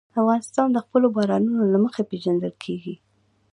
افغانستان د خپلو بارانونو له مخې پېژندل کېږي.